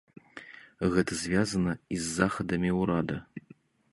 Гэта звязана і з захадамі ўрада.